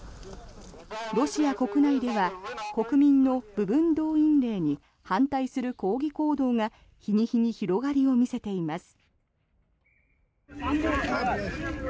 ロシア国内では国民の部分動員令に反対する抗議行動が日に日に広がりを見せています。